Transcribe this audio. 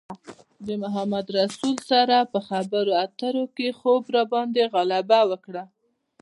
محمدرسول سره په خبرو خبرو کې خوب راباندې غلبه وکړه.